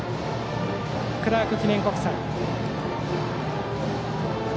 クラーク記念国際。